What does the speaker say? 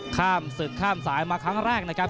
ข้ามศึกข้ามสายมาครั้งแรกนะครับ